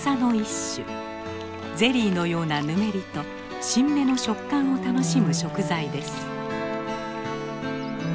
ゼリーのようなぬめりと新芽の食感を楽しむ食材です。